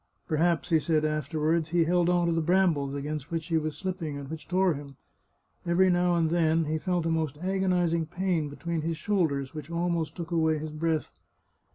Perhaps, he said afterward, he held on to the brambles against which he was slipping and which tore him. Every now and then he felt a most agonizing pain between his shoulders, which almost took away his breath.